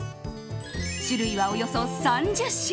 種類はおよそ３０種。